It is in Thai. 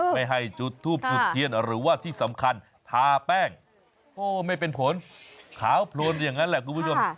ไม่ให้จุดทูบจุดเทียนหรือว่าที่สำคัญทาแป้งโอ้ไม่เป็นผลขาวโพลนอย่างนั้นแหละคุณผู้ชม